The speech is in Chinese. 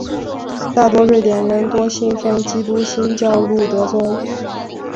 大部分瑞典人多信奉基督新教路德宗。